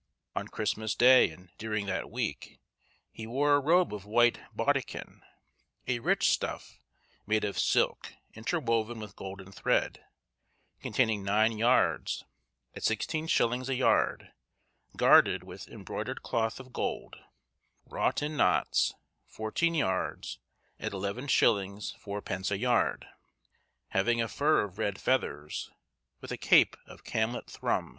On Christmas Day, and during that week, he wore a robe of white baudekyn (a rich stuff, made of silk, interwoven with golden thread), containing nine yards, at 16_s._ a yard, garded with embroidered cloth of gold, wrought in knots, fourteen yards, at 11_s._ 4_d._ a yard; having a fur of red feathers, with a cape of camlet thrum.